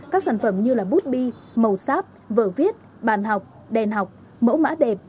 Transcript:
các sản phẩm như bút bi màu sáp vở viết bàn học đèn học mẫu mã đẹp